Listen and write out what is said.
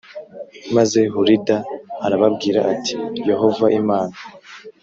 maze Hulida arababwira ati Yehova Imana